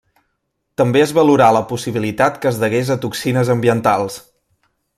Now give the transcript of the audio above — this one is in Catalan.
També es valorà la possibilitat que es degués a toxines ambientals.